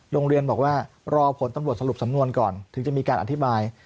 โรงเรียนบอกว่ารอผลตำรวจสรุปสำนวนก่อนถึงจะมีการอธิบาย